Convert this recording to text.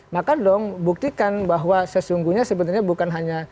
maka dong buktikan bahwa sesungguhnya sebenarnya bukan hanya